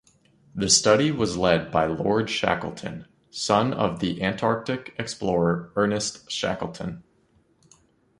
The study was led by Lord Shackleton, son of the Antarctic explorer, Ernest Shackleton.